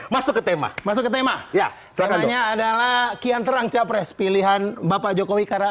masuk ke tema tema ya semuanya adalah kian terang capres pilihan bapak jokowi karena